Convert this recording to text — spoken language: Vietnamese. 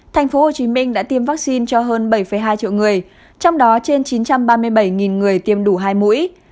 tp hcm đã tiêm vaccine cho hơn bảy hai triệu người trong đó trên chín trăm ba mươi bảy người tiêm đủ hai mũi